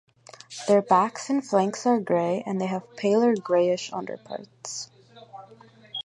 Their backs and flanks are gray and they have paler grayish underparts.